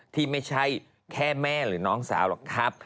ที่ไม่ใช่แค่แม่หรือน้องสาวหรอกครับ